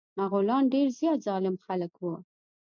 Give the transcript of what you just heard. مغولان ډير زيات ظالم خلک وه.